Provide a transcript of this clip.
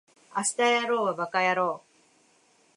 明日やろうはバカやろう